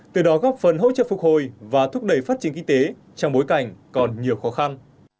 từ đó góp phần hỗ trợ phục hồi và thúc đẩy phát triển kinh tế trong bối cảnh còn nhiều khó khăn